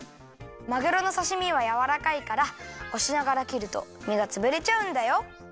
まぐろのさしみはやわらかいからおしながらきるとみがつぶれちゃうんだよ。